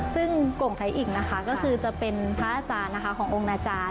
ซึ่งโก่งไทยอิ่งนะคะก็คือจะเป็นพระอาจารย์นะคะขององค์นาจารย์